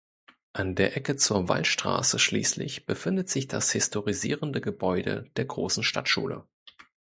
An der Ecke zur Wallstraße schließlich befindet sich das historisierende Gebäude der Großen Stadtschule.